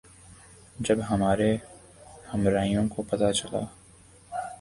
جب ہمارے ہمراہیوں کو پتہ چلا